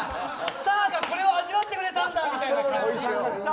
スターがこれを味わってくれたんだって。